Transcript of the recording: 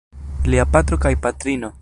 Lia patro kaj patrino.